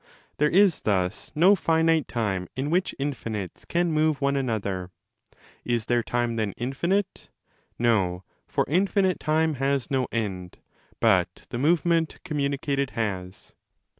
There is thus no finite time in which infinites can move one another. Is their time then infinite? No, for infinite time has no end, but the movement communicated has.